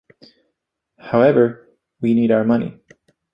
However, we need our money.